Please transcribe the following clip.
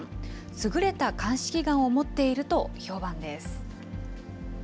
優れた鑑識眼を持っていると評判です。